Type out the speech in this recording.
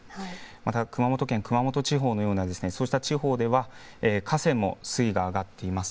また熊本県熊本地方のような、そうした地方では、河川も水位が上がっています。